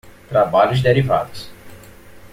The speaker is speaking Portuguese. Trabalhos derivados.